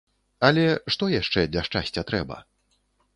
Але што яшчэ для шчасця трэба?